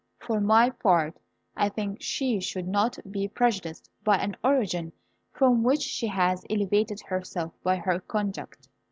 For my part, I think she should not be prejudiced by an origin from which she has elevated herself by her conduct."